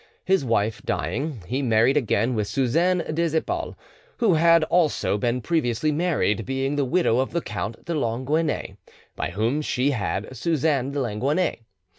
His wife dying, he married again with Suzanne des Epaules, who had also been previously married, being the widow of the Count de Longaunay, by whom she had Suzanne de Longaunay.